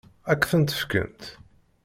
Ad k-tent-fkent?